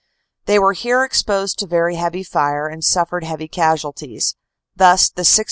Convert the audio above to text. They were here exposed to very heavy fire, and suffered heavy casualties. Thus the 6th.